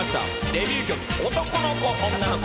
デビュー曲「男の子女の子」。